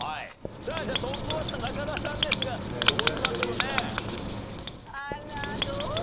じゃあトップバッター中田さんですがどうしましょうね？